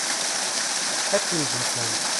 Akken d-usant.